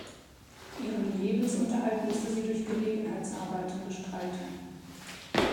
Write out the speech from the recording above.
Ihren Lebensunterhalt musste sie durch Gelegenheitsarbeiten bestreiten.